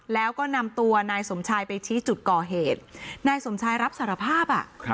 แล้วก็นำตัวนายสมชายไปชี้จุดก่อเหตุนายสมชายรับสารภาพ